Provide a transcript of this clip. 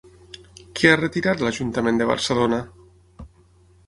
Què ha retirat l'Ajuntament de Barcelona?